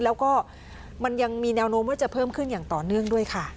แล้วก็มันยังมีแนวโน้มว่าจะเพิ่มขึ้นอย่างต่อเนื่องด้วยค่ะ